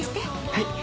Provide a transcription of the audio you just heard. はい。